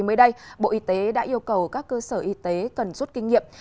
mới đây bộ y tế đã yêu cầu các cơ sở y tế cần rút kinh nghiệm